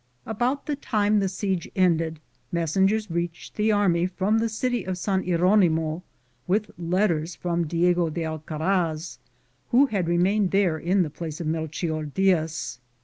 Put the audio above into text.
About the time the siege ended, messengers reached the army from the city of San Hieronimo with letters from Diego de Alarcon, 1 who had re mained there in the place of Melchior Diaz.